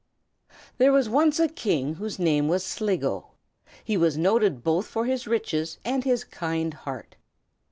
There was once a king whose name was Sligo. He was noted both for his riches and his kind heart.